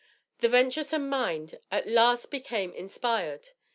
The venturesome mind at last became inspired.